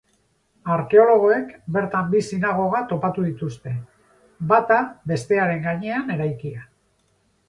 Arkeologoek bertan bi sinagoga topatu dituzte, bata bestearen gainean eraikia.